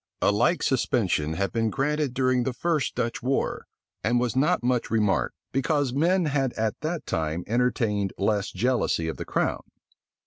A like suspension had been granted during the first Dutch war, and was not much remarked; because men had at that time entertained less jealousy of the crown.